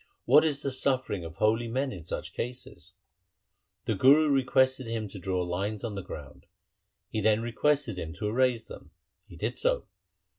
What is the suffering of holy men in such cases ?' The Guru requested him to draw lines on the ground. He then requested him to erase them. He did so.